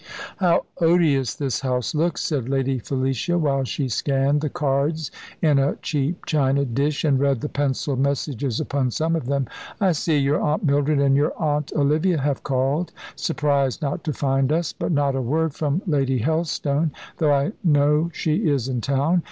"How odious this house looks," said Lady Felicia, while she scanned the cards in a cheap china dish, and read the pencilled messages upon some of them. "I see your Aunt Mildred and your Aunt Olivia have called, surprised not to find us. But not a word from Lady Helstone, though I know she is in town.